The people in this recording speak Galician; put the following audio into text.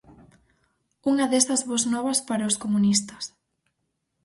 Unha desas bos novas para os comunistas.